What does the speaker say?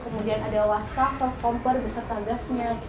kemudian ada wastafel kompor beserta gasnya